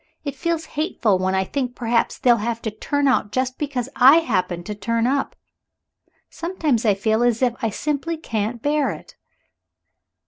It feels hateful when I think perhaps they'll have to turn out just because I happened to turn up. Sometimes I feel as if I simply couldn't bear it."